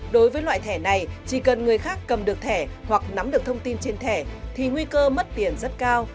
đối với loại thẻ này chỉ cần người khác cầm được thẻ hoặc nắm được thông tin trên thẻ thì nguy cơ mất tiền rất cao